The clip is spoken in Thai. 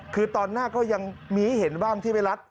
คือตอนหน้าก็ยังมีให้เห็นบ้างที่ไปรัด